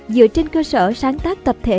dựa trên cơ sở sáng tác tập thể